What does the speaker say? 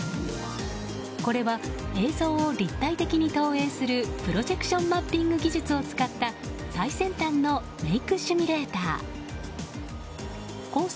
これは映像を立体的に投影するプロジェクションマッピング技術を使った最先端のメイクシミュレーター。